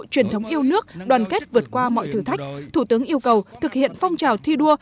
truyền thống yêu nước đoàn kết vượt qua mọi thử thách thủ tướng yêu cầu thực hiện phong trào thi đua